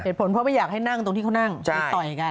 เหตุผลเพราะไม่อยากให้นั่งตรงที่เขานั่งไปต่อยกัน